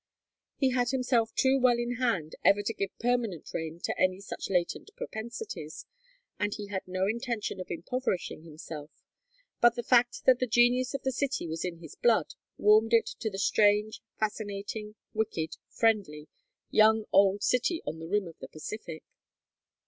He had himself too well in hand ever to give permanent rein to any such latent propensities, and he had no intention of impoverishing himself, but the fact that the genius of the city was in his blood warmed it to the strange, fascinating, wicked, friendly, young old city on the rim of the Pacific.